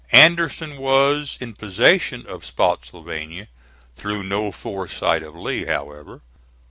Anderson was in possession of Spottsylvania, through no foresight of Lee, however.